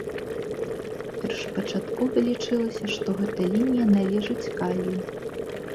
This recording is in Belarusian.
Першапачаткова лічылася, што гэта лінія належыць калію.